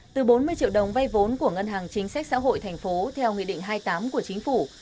từ bốn mươi triệu đồng vay vốn của ngân hàng chính sách xã hội thành phố theo nghị định hai mươi tám của chính phủ